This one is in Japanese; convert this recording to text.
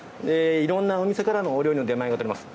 いろんなお店からのお料理の出前がとれます。